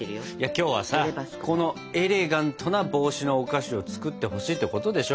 今日はさエレガントな帽子のお菓子を作ってほしいってことでしょ？